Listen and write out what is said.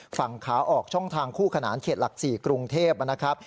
ฝั่งขาออกช่องทางคู่ขนานเขตหลัก๔กรุงเทพนะครับ